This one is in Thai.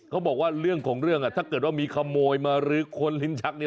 เขาบอกว่าเรื่องของเรื่องถ้าเกิดว่ามีขโมยมาลื้อค้นลิ้นชักเนี่ย